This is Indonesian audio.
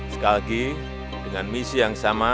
sekali lagi dengan misi yang sama